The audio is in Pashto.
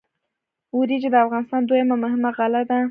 وریجې د افغانستان دویمه مهمه غله ده.